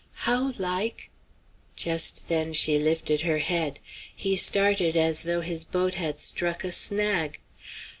"How like" Just then she lifted her head. He started as though his boat had struck a snag.